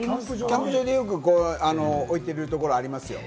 キャンプ場で置いてるところありますよ。